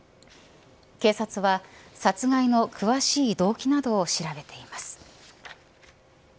警察は殺害の詳しい動機などを調べています。